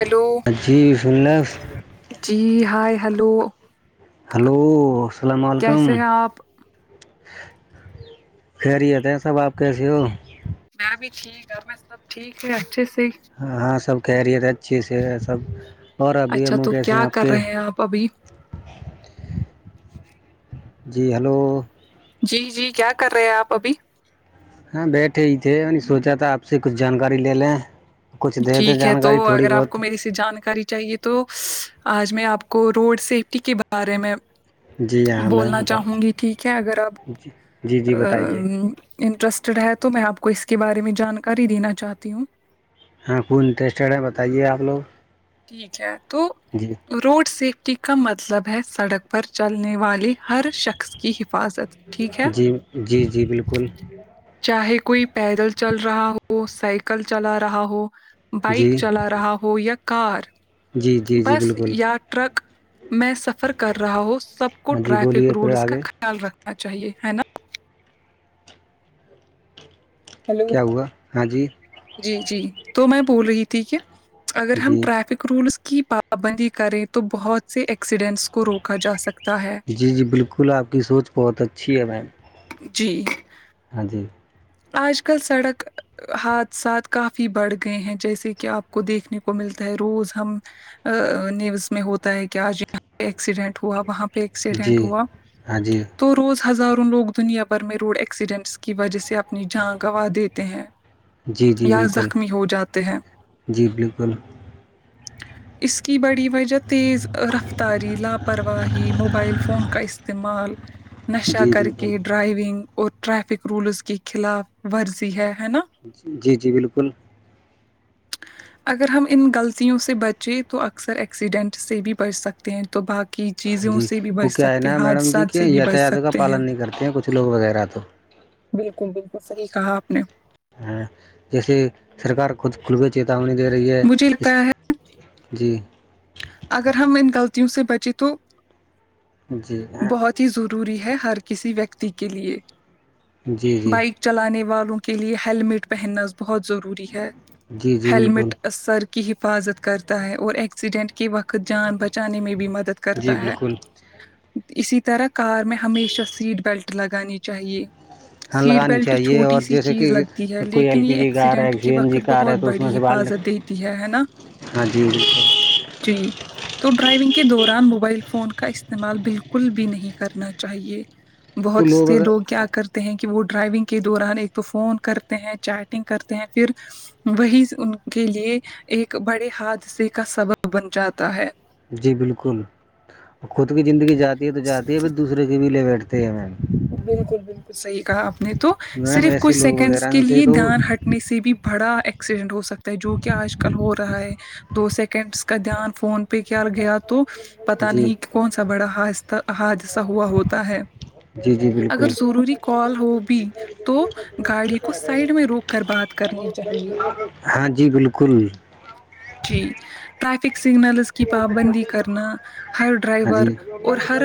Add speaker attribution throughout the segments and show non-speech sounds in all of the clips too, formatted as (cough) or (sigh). Speaker 1: hello
Speaker 2: ا جیب سنن
Speaker 1: جی ہائے ہلو
Speaker 2: ہلو السلام علیکم
Speaker 1: کیسے ہیں آپ
Speaker 2: خری یہتے ہیں سب آپ کیسیے ہو
Speaker 1: میں بھی ٹھیک گ میں سب ٹھیک ہے اچھے سے ہی
Speaker 2: ہ ہاں سب کیریئر اچھے سے سب اور ابھی ہمو کیس ہیں آپ کے
Speaker 1: پبھی
Speaker 2: جی ہیلو
Speaker 1: جی جی کیا کر رہے ہیں آپ ابھی
Speaker 2: ہاں بیٹھے ہی تھے سوچا تھا آپ سے کچھ جانکاری لے لیں کچھ دے دے
Speaker 1: ٹھیک ہے تو
Speaker 2: جانکاری تھوڑی
Speaker 1: اگر آپ
Speaker 2: بہت
Speaker 1: کو میری جانکاری چاہیے تو آج میں آپ کو روڈ سیفٹی کے بارے میں
Speaker 2: جی ہاں میم
Speaker 1: بولنا چاہوں
Speaker 2: بتاؤ
Speaker 1: گی ٹھیک ہے اگر اپ
Speaker 2: جی جی جی بتائیے
Speaker 1: ا انٹرسٹڈ ہے تو میں آپ کو اس کے بارے میں جانکاری دینا چاہتی ہوں
Speaker 2: ہاں کون انٹرسٹیڈ ہے بتائیے آپ لوگ
Speaker 1: ٹھیک ہے تو
Speaker 2: جی
Speaker 1: روڈ سیفٹی کا مطلب ہے سڑک پر چلنے والے ہر شخص کی حفاظت ٹھیک ہے
Speaker 2: جی جی جی بالکل
Speaker 1: چاہے کوئی پیدل چل رہا ہو سائیکل چلا رہا ہو
Speaker 2: جی
Speaker 1: بائک چلا رہا ہو یا کار
Speaker 2: جی جی جی
Speaker 1: بس
Speaker 2: بالکل
Speaker 1: یا ٹرک میں سفر کر رہا ہووں سب کو
Speaker 2: ہاں جی
Speaker 1: ٹریفک
Speaker 2: بولیے پھر
Speaker 1: رولز کا
Speaker 2: آگے
Speaker 1: خیال رکھنا چاہیے ہے نا ہیلو
Speaker 2: کیا ہوا ہاں جی
Speaker 1: جی جی تو میں بول رہی تھی کہ اگر ہم
Speaker 2: جی
Speaker 1: ٹریفک رولس کی پابندی کریں تو بہت سے ایکسیڈنٹس کو روکا جا سکتا ہے
Speaker 2: جی جی بالکل آپ کی سوچ بہت اچھی ہے میم
Speaker 1: جی
Speaker 2: ہاں جی
Speaker 1: آج کل سڑک حادثات کافی بڑھ گئے ہیں جیسے کہ آپ کو دیکھنے کو ملتا ہے روز ہم ا نیوز میں ہوتا ہے کہ آج یہاںہ ایکسیڈنٹ ہوا وہاں پہ ایکسیڈنٹ
Speaker 2: جی
Speaker 1: ہوا
Speaker 2: ہاں جی
Speaker 1: تو روز ہزاروں لوگ دنیا بھر میں روڈ ایکسیڈنٹس کی وجہ سے آپ اپنی جان گنوا دیتے ہیں
Speaker 2: جی جی
Speaker 1: یا
Speaker 2: بالکل
Speaker 1: زخمی ہو جاتے ہیں
Speaker 2: جی بالکل
Speaker 1: اس کی بڑی وجہ تیز رفتاری لاپرواہی موبائل فون کا استعمال نشہ
Speaker 2: جی
Speaker 1: کر
Speaker 2: بالکل
Speaker 1: کے ڈرائیونگ اور ٹریفک رولز کی خلاف ورزی ہے ہے نا
Speaker 2: جی جی بالکل
Speaker 1: (unintelligible) اگر ہم ان غلطیوں سے بچیں تو اکثر ایکسیڈنٹ سے بھی بچ سکتے ہیں تو باقی چیزوں
Speaker 2: جی
Speaker 1: سے بھی
Speaker 2: وہ
Speaker 1: بچ
Speaker 2: کیا ہے
Speaker 1: سکتے
Speaker 2: نا
Speaker 1: حادثات سے بھی بچ سکتے ہیں
Speaker 2: آتے ہیں کچھ لوگ وغیرہ تو
Speaker 1: بالکل بالکل صحیح کہا آپ نے
Speaker 2: جیسے سرکار خود کھلوی چیتاونی دے رہی ہے
Speaker 1: مجھے لگتا
Speaker 2: اس
Speaker 1: ہے
Speaker 2: جی
Speaker 1: اگر ہم ان غلطیوں سے بچیں تو
Speaker 2: جی ہاں
Speaker 1: بہت ضروری ہے ہر کسی ویکتی کے لیے
Speaker 2: جی جی
Speaker 1: بائک چلانے والوں کے لیے ہیلمٹ پہننا بہت ضروری ہے
Speaker 2: جی جی بالکل
Speaker 1: ہیلمٹ سر کی حفاظت کرتا ہے اور ایکسیڈنٹ کے وقت جان بچانے میں بھی مدد
Speaker 2: جی
Speaker 1: کرتا ہے
Speaker 2: بالکل
Speaker 1: اسی طرح کار میں ہمیشہ سیٹ بیلٹ لگانی چاہیے
Speaker 2: ہاں
Speaker 1: سیٹ
Speaker 2: لگانی
Speaker 1: بیلٹ
Speaker 2: چاہیے
Speaker 1: چھوٹی
Speaker 2: اور
Speaker 1: سی
Speaker 2: جیسے
Speaker 1: چیز
Speaker 2: کہ
Speaker 1: لگتی ہے
Speaker 2: کوئی ایل
Speaker 1: لیکن
Speaker 2: پی
Speaker 1: یہ
Speaker 2: جی کار ہے
Speaker 1: ایکسیڈنٹ
Speaker 2: سی
Speaker 1: کے
Speaker 2: این جی
Speaker 1: وقت
Speaker 2: کار
Speaker 1: بہت
Speaker 2: ہے تو اس میں
Speaker 1: بڑی
Speaker 2: سے بال
Speaker 1: حفاظت
Speaker 2: نکل
Speaker 1: دیتی تی ہے ہے نا
Speaker 2: ہاں جی
Speaker 1: جی تو ڈرائیونگ کے دوران موبائل فون کا استعمال بالکل بھی نہیں کرنا چاہیے
Speaker 2: تو
Speaker 1: بہت سے
Speaker 2: اگر
Speaker 1: لوگ کیا کر ہیں کہ وہ ڈرائیونگ کے دوران ایک تو فون کرتے ہیں چیٹنگ کرتے ہیں پھر وہی ان کے لیے ایک بڑے حادثے کا سبب بن جاتا ہے
Speaker 2: جی بالکل خود کی زندگی جاتی ہے تو جاتی ہے بھر دوسرے کے بھی لے بیٹھتے ہیں م
Speaker 1: بالکل بالکل صحیح کہا آپ نے تو
Speaker 2: میڈم
Speaker 1: صرف
Speaker 2: ایسے
Speaker 1: کچھ
Speaker 2: لوگ
Speaker 1: سیکنڈس
Speaker 2: وغیرہ
Speaker 1: کے
Speaker 2: ان سے
Speaker 1: لیے
Speaker 2: تو
Speaker 1: دان ہٹ نے سے بھی بڑا ایکسیڈنٹ ہو سکتا ہے جو کہ آج کل ہو رہا ہے دو سیکنڈس کا دھیان فون پہ کیا گیا تو پتا
Speaker 2: جی
Speaker 1: نہیں کون سا بڑا حادہ حادثہ ہوا ہوتا ہے
Speaker 2: جی جی جی
Speaker 1: اگر ضروری کال ہو بھی تو گاڑی کو سائڈ میں روک کر بات کرنی چاہیے
Speaker 2: ہاں جی بالکل
Speaker 1: جی ٹریفک سگنلز کی پابندی کرنا ہر
Speaker 2: ہاں
Speaker 1: ڈرائیور
Speaker 2: جی
Speaker 1: اور ہر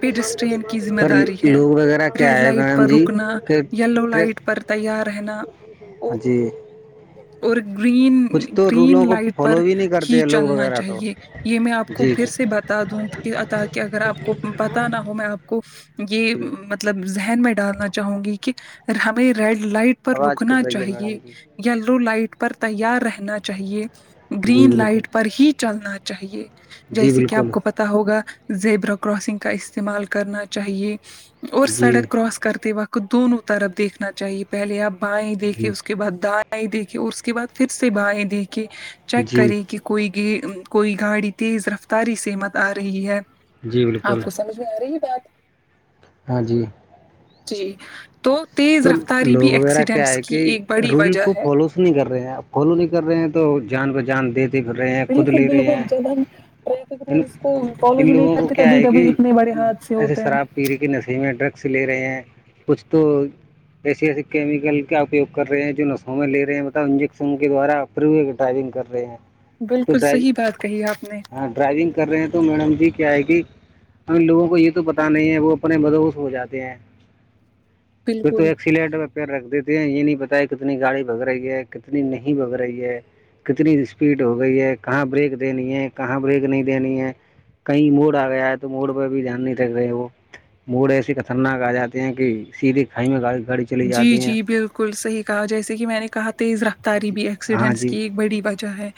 Speaker 1: پجسٹرین کی ذمہ
Speaker 2: پر
Speaker 1: داری ہے
Speaker 2: لوگ وغیرہ کیا
Speaker 1: ریڈ
Speaker 2: ہے
Speaker 1: لائٹ پر
Speaker 2: میڈم جی
Speaker 1: رکنا
Speaker 2: کہ
Speaker 1: یلو لائٹ پر تیار رہنا اور
Speaker 2: ہاں جی
Speaker 1: اور گرین
Speaker 2: کچھ تو رولوں
Speaker 1: گرین
Speaker 2: کو
Speaker 1: لائٹ پر
Speaker 2: فالو بھی نہیں کرتے
Speaker 1: ہی
Speaker 2: ہیں لوگ
Speaker 1: چلنا
Speaker 2: وغیرہ تو
Speaker 1: چاہیے یہ میں آپ کو
Speaker 2: جی
Speaker 1: پھر سے بتا دوں کہ تاک اگر آپ کو پت نہ ہو میں آپ کو یہ
Speaker 2: جی
Speaker 1: مطلب ذہن میں ڈالنا چاہوں گی کہ ہمیں ریڈ لائٹ پر
Speaker 2: آواز کٹ
Speaker 1: رکنا
Speaker 2: رہی ہے میڈم
Speaker 1: چاہیے
Speaker 2: جی
Speaker 1: یلو لائٹ پر تیار رہنا چاہیے
Speaker 2: جی
Speaker 1: گرین
Speaker 2: بالکل
Speaker 1: لائٹ پر ہی چلنا چاہیے
Speaker 2: جی
Speaker 1: جیسے کہ آپ
Speaker 2: بالکل
Speaker 1: کو پتا ہوگا زیبرا کراسنگ کا استعمال کرنا چاہیے اور
Speaker 2: جی
Speaker 1: سڑک کراس کرتے وقت دونوں طرف دیکھنا چاہیے پہلے آپ بائیں دیکھیے
Speaker 2: جی
Speaker 1: اس کے بعد دائیں دیکھی اور اس کے بعد پھر سے بائیں دیکھی چیک
Speaker 2: جی
Speaker 1: کرے کہ کوئی گ کوئی گاڑی تیز رفتاری سے مت آ رہی ہے
Speaker 2: جی
Speaker 1: آپ
Speaker 2: بالکل
Speaker 1: کو سمجھ میں آ رہی ہے بات
Speaker 2: ہاں جی
Speaker 1: جی تو تیز
Speaker 2: تو
Speaker 1: رفتاری بھی
Speaker 2: لوگ وغیرہ کیا
Speaker 1: ایکسیڈنٹس
Speaker 2: ہے
Speaker 1: کی
Speaker 2: کہ
Speaker 1: ایک بڑی
Speaker 2: رول
Speaker 1: وجہ
Speaker 2: کو
Speaker 1: ہے
Speaker 2: فالوز نہیں کر رہے ہیں آپ کالو نہیں کر رہے ہیں تو جان پہ جان دیتے پھر رہے ہیں خود
Speaker 1: بالکل
Speaker 2: لے رہے
Speaker 1: بالکل
Speaker 2: ہیں
Speaker 1: جب ہم ٹریفک
Speaker 2: ان
Speaker 1: رولس کو فالو
Speaker 2: ان
Speaker 1: ہی نہیں
Speaker 2: لوگوں کو
Speaker 1: کرتے تبھی تبھی اتنے بڑے ہاتھ اھی ہوتے ہیں
Speaker 2: پییر کے نسی میں ڈرگس لے رہے ہیں کچھ تو ایسے ایس کیمیکل کا اپیگ کر رہے ہیں جو نسوں میں لے رہے ہیں مطب انجسوں کے دوارا پوئے کے ڈرائیونگ کر رہے ہیں تو
Speaker 1: بالکل
Speaker 2: ڈرائی
Speaker 1: صحیح بات کہی آپ نے
Speaker 2: ہاں ڈرائیونگ کر رہے ہیں تو میڈم جی کیا ہے کہ ہم لوگوں کو یہ تو پتا نہیں ہے وہ اپنے بدوس ہو جاتے ہیں تو
Speaker 1: بالکل
Speaker 2: ایکلینٹ پ رکھ دیتے ہیں یہ نہیں پتا کتنی گاڑی بگ رہی ہے کتنی نہیں بگ رہی ہے کتنی اسپیڈ ہو گئی ہے کہاں بریک دینی ہے کہاں بریک نہیں دینی ہے کہیں موڑ آ گیا ہے تو موڑ پہ بھی دھیان نہیں رکھ رہے وہ موڑے ایسی خطرناک آ جاتی ہیں کہ سیدھھی کھائی میں گڑی گڑی
Speaker 1: جی جی بالکل صحیح کہا جیسے کہ میں نے کہا تیز رکھ
Speaker 2: جی
Speaker 1: تاریبی
Speaker 2: ہاں
Speaker 1: ایکسیڈنٹس
Speaker 2: جی
Speaker 1: کی ایک بڑی وجہ ہے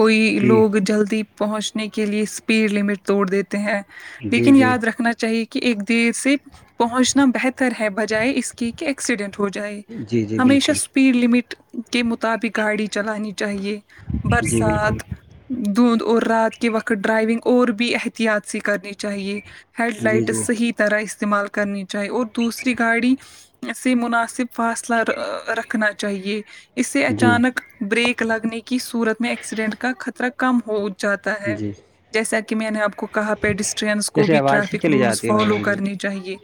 Speaker 1: کوئی
Speaker 2: جی
Speaker 1: لوگ جلدی پہنچنے کے لیے اسپیڈ لمٹ توڑ دیتے ہیں
Speaker 2: جی
Speaker 1: لیکن
Speaker 2: جی
Speaker 1: یاد رکھنا چاہیے کہ ایک دیر سے پہنچنا بہتر ہے بجائے اس کی ایکسیڈنٹ ہو جائے
Speaker 2: جی جی
Speaker 1: ہمیشہ
Speaker 2: بالکل
Speaker 1: اسپیڈ لمٹ کے مطابق گاڑی چلانی چاہیے
Speaker 2: جی بالکل
Speaker 1: برسات دھند اور رات کے وقت ڈرائیونگ اور بھی احتیاط سےی کرنی چاہیے ہیڈ
Speaker 2: جی جی
Speaker 1: لائٹس صحیح طرح استعمال کرنی چاہیے اور دوسری گاڑی سے مناسب فاصلہ رکھنا چاہیے اسے
Speaker 2: جی
Speaker 1: اچانک بریک لگنے کی صورت میں ایکسیڈنٹ کا خطرہ کم ہو جاتا ہے
Speaker 2: جی
Speaker 1: جیسا کہ میں نے آپ کو کہا پیڈسٹنس کو
Speaker 2: جیسے
Speaker 1: بھی
Speaker 2: آواز ہی
Speaker 1: ٹریفک
Speaker 2: چلی
Speaker 1: رولس
Speaker 2: جاتی ہے
Speaker 1: فالو
Speaker 2: میڈم جی
Speaker 1: کرنے چاہیے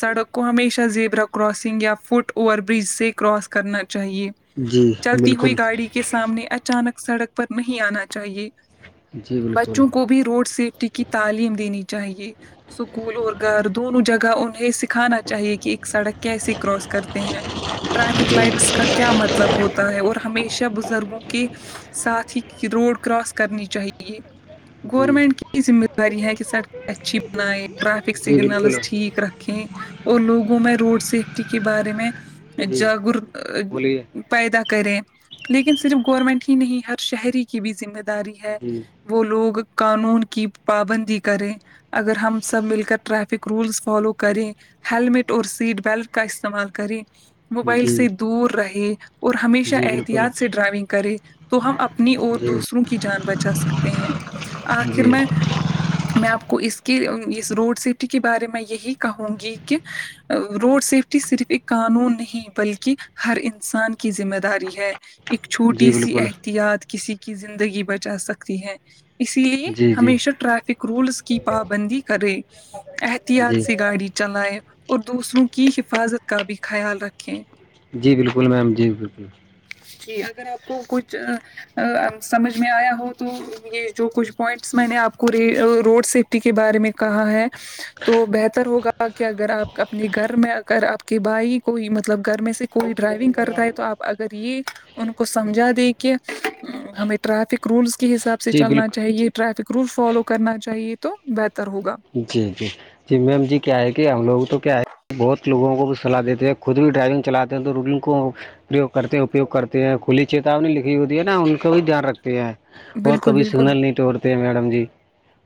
Speaker 1: سڑک کو ہمیشہ زیب رکھ کراسنگ یا فٹ اوور برج سے کراس کرنا چاہیے
Speaker 2: جی
Speaker 1: چلتی ہوئی
Speaker 2: بالکل
Speaker 1: گاڑی کی کے سامنے اچانک سڑک پر نہیں آنا چاہیے
Speaker 2: جی بالکل
Speaker 1: بچوں کو بھی روڈ سیفٹی کی تعلیم دینی چاہیے سکول اور گھر دونوں جگہ انہیں دکھانا چاہیے کہ ایک سڑک سے کراس کرتے ہیں ٹریفک
Speaker 2: جی
Speaker 1: لائٹس کا کیا مطلب ہوتا ہے اور ہمیشہ پیشہ بزرگوں کے ساتھ ہی روڈ کراس کرنی چاہیے
Speaker 2: جی
Speaker 1: گورمنٹ کی ذمہ داری ہے کہ سڑ اچھی بنائے ٹریفک
Speaker 2: جی بالکل
Speaker 1: سگنلز ٹھیک رکھ اور لوگوں میں روڈ سیفٹی کے بارے میں
Speaker 2: جی
Speaker 1: جاگر
Speaker 2: بولیے
Speaker 1: پیدا کرے لیکن صرف گورنمنٹ ہی نہیں ہر شہری کی بھی ذمہ داری ہے
Speaker 2: جی
Speaker 1: وہ لوگ قانون کی پابندی کرے اگر ہم سب مل کر ٹریفک رولس فالو کریں ہیللمٹ اور سیٹ بیلٹ کا استعمال کرے موبائل
Speaker 2: جی
Speaker 1: سے دور رہے اور ہمیشہ
Speaker 2: جی بالکل
Speaker 1: احتیاط سے ڈرائیونگ کرے تو ہم اپنی اور
Speaker 2: جی
Speaker 1: دوسروں کی جان بچا سکتے ہیں آخر
Speaker 2: جی
Speaker 1: میں میں آپ کو اس کے اس روڈ سیفٹی کے بارے میں یہی کہوں گی کہ روٹ س صرف ایک قانون نہیں بلکہ ہر انسان کی ذمہ داری ہے ایک
Speaker 2: جی
Speaker 1: چھوٹی سی
Speaker 2: بالکل
Speaker 1: احتیاط کسی کی زندگی بچا سکتی ہے اس لیے
Speaker 2: جی جی
Speaker 1: ہمیشہ ٹریفک رولس کی پابندی کرے احتیاط
Speaker 2: جی
Speaker 1: سےی گاڑی چلائے اور دوسروں کی حفاظت کا بھی خیال رکھیں
Speaker 2: جی بالکل میم جی بالکل
Speaker 1: جی اگر آپ کو کچھ سمجھ میں آیا ہو تو یہ جو کچھ پوائنٹس میں نے آپ کو روڈ سیفٹی کے بارے میں کہا ہے تو بہتر ہوگا اک اگر آپ اپنے گھر میں اگر آپ کے بھائی کوئی مطلب گھر میں سے کوئی ڈرائیونگ کرتا ہے تو آپ ا یہ ان کو سمجھا دے کہ ہمیں ٹرریفک رولس کے حساب سے سے
Speaker 2: جی
Speaker 1: چلنا
Speaker 2: بالکل
Speaker 1: چاہیے ٹریفک رول فالو کرنا چاہیے تو بہتر ہوگا
Speaker 2: جی جی جی میم جی کیا ہے کہ ہم لوگ تو کیا ہے بہت لوگوں کو بھی صلاح دیتے ہیں خود بھی ڈرائیونگ چلاتے ہیں تو رولنگ کو پروگ کرتے ہیں اپیوگ کرتے ہیں کھلی چتاونی لکھی ہوتی ہے نا ان کا بھی دھیان رکھتے اور
Speaker 1: بالکل
Speaker 2: کبھی
Speaker 1: بالکل
Speaker 2: سگنل نہیں توٹڑتے ہیں میڈم جی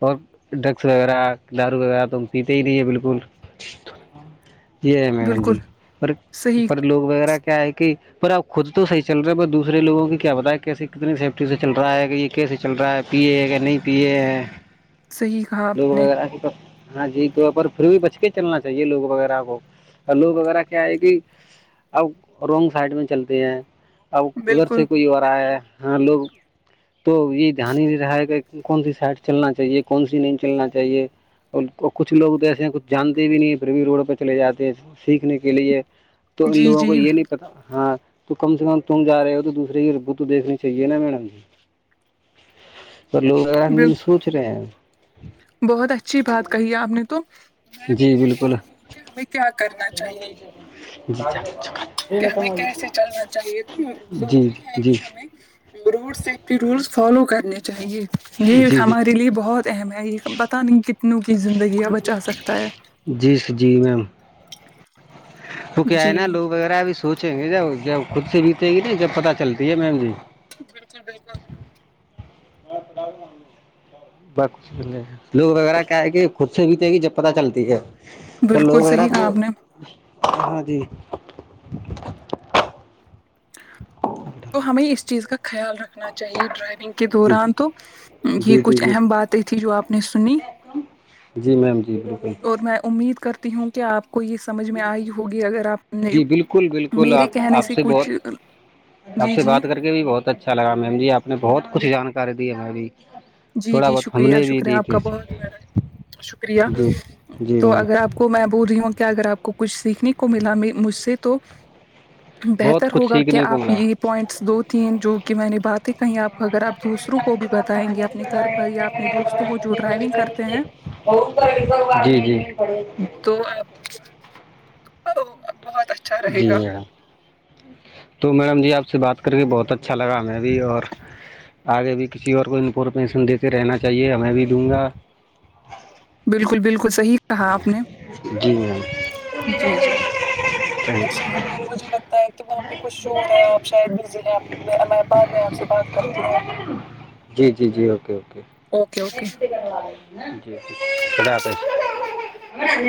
Speaker 2: اور ڈرگس وغیرہ لارو کاغ تو پیتے ہی نہیںے بالکل یہی ہے میڈم
Speaker 1: بالکل
Speaker 2: جی پر
Speaker 1: صحیح
Speaker 2: پر لوگ وغیرہ کیا ہے کہ پر اب خود تو صح چل رہا ہے پر دوسرےوگوں کی کیا بتا کیسے کتنی سیفٹی سے چل رہا ہے گا یہ کیے چل رہا ہے پیے ہے کہ نہیں پیے ہیں
Speaker 1: صحیح کہا آپ
Speaker 2: لوگ
Speaker 1: نے
Speaker 2: ہاں جی تو پر پھر بھی بچ کے چلنا چاہیے لوگ وغیرہ کو اور لوگ وغیرہ کیا ہے کہ اب رونگ سائڈ میں چلتے ہیں اب ادھر
Speaker 1: بالکل
Speaker 2: سے کوئی ہو رہا ہے ہاں لوگ تو یہ دھیان ہی نہیں رہا ہے کہ کون سی سائڈ چلنا چاہیے کون سی نہیں چلنا چاہیے اور کچھ لوگ تو ایسے ہیں کچھ جانتے بھی نہیں پھر بھی روڈ پہ چلے جاتے ہیں سیکھنے کے لیے تو ان
Speaker 1: جی
Speaker 2: لووں کو
Speaker 1: جی
Speaker 2: یہ نہیں ہاں تو کم سے کم تم جا رہے ہو تو دوسرے کیب تو دیکھنی چاہیے نا میڈم جی
Speaker 1: (inaudible) (inaudible)
Speaker 2: تو لوگ ا ج
Speaker 1: بالکل
Speaker 2: سوچ رہے ہیں
Speaker 1: بہت اچھی بات کہی آپ نے تو میں بھی
Speaker 2: جی
Speaker 1: یہی کہہ
Speaker 2: بالکل
Speaker 1: رہی ہوں کہ ہمیں کیا کرنا چاہیے
Speaker 2: ج (unintelligible)
Speaker 1: کہ ہمیں کیسے چلنا چاہیے تو
Speaker 2: جی
Speaker 1: ضروری ہے
Speaker 2: جی
Speaker 1: کہ ہمیں رول سف رولس فالو کرنے چاہیے یہ
Speaker 2: جی
Speaker 1: ہمارے لیے بہت اہم ہے یہ پتاہ نہیں کتنوں کی زندگیاں بچا سکتا ہے
Speaker 2: جی جی میم تو کیا ہے
Speaker 1: جی
Speaker 2: نا لوگ وغیرہ ابھی سوچیں گے جب جب خود سے بیتیں گی نا جب پتہ چلتی ہے میم جی
Speaker 1: بالکل بالکل
Speaker 2: ہاں پاؤ م ب لوگ وغیرہ کیا ہے کہ خود سے بھی تھے کہ جب پت چلتی ہے پلو
Speaker 1: بالکل
Speaker 2: وغیرا
Speaker 1: صحیح
Speaker 2: کو
Speaker 1: کہا آپ نے
Speaker 2: ہاں جی
Speaker 1: تو ہمیں اس چیز کا خیال رکھنا رکھنا چاہیے ڈرائیونگ کے
Speaker 2: جی
Speaker 1: دوران تو یہ
Speaker 2: جی جی
Speaker 1: کچھ
Speaker 2: جی
Speaker 1: اہم باتیں تھی جو آپ نے سنی
Speaker 2: جی میم جی بالکل
Speaker 1: اور میں امید کرتی ہوں کہ آپ کو اس سمجھ میں آئی ہوگی اگر آپ نے
Speaker 2: جی بالکل بالکل
Speaker 1: میرے
Speaker 2: آپ
Speaker 1: کہنے
Speaker 2: آپ
Speaker 1: سے کچھ
Speaker 2: بہت آپ
Speaker 1: جی
Speaker 2: سے
Speaker 1: جی
Speaker 2: بات کر کے بھی بہت اچھا لگا میم جی آپ نے بہت کچھ جانکاری دی ہے ہم بھی
Speaker 1: جی جی
Speaker 2: نے
Speaker 1: شکریہ شکریہ
Speaker 2: دی
Speaker 1: آپ
Speaker 2: تھی
Speaker 1: کا بہت بڑا شکریہ
Speaker 2: جی جی
Speaker 1: تو
Speaker 2: میم
Speaker 1: اگر آپ کو محبود ہی ہوں کیا اگر آپ کچھ سیکھنے کو ملا مجھ سے تو
Speaker 2: بہت
Speaker 1: بہتر
Speaker 2: کچھ
Speaker 1: ہوگا کیا
Speaker 2: سیکھنے کو
Speaker 1: آپ
Speaker 2: ملا
Speaker 1: یہ پوائنٹ دو تین جو کہ میں نے باتیں کہیں آپ کو اگر آپ دوسروں کو بھی بتائیں گے آپ کرتے ہیں
Speaker 2: تو
Speaker 1: تو اب بہت اچھا رہے
Speaker 2: جی
Speaker 1: گا
Speaker 2: میم تو میڈم جی آپ سے بات کر کے بہت اچھا لگا ہمیں بھی اور آگے بھی کسی اور کو انفارمیشن دیتے رہنا چاہیے ہمیں بھی دوں گا
Speaker 1: بالکل بالکل صحیح کہا آپ نے
Speaker 2: جی جی
Speaker 1: جی جی جی
Speaker 2: تھینک
Speaker 1: شاید مجھے لگتا ہے کہ وہاں پہ کچھ ش رہا ہے آپ شاید بھی لے آپ میں الہ آباد میں آپ سے بات کرتی ہوں
Speaker 2: جی جی جی اوکے اوکے
Speaker 1: اوکے اوکے
Speaker 2: جی خدا حافظ